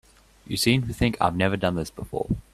You seem to think I've never done this before.